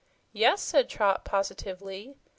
"Yes," said Trot positively.